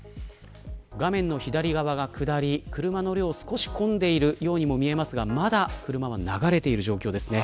画面の左側が下り車の量、少し混んでいるようにも見えますがまだ車は流れている状況です。